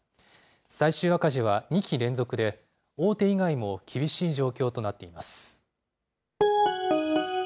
最終赤字は２期連続で、大手以外も厳しい状況となっています。